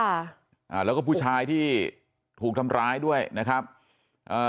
อ่าแล้วก็ผู้ชายที่ถูกทำร้ายด้วยนะครับเอ่อ